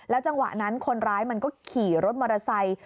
จังหวะนั้นคนร้ายมันก็ขี่รถมอเตอร์ไซค์